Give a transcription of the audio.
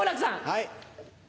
はい。